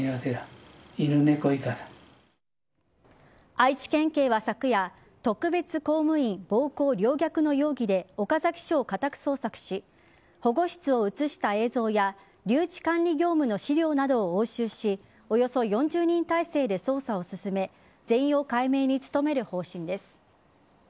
愛知県警は昨夜特別公務員暴行陵虐の容疑で岡崎署を家宅捜索し保護室を映した映像や留置管理業務の資料などを押収しおよそ４０人体制で捜査を進め全容解明に努める方針です。